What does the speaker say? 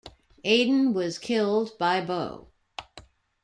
Aiden was killed by Bo.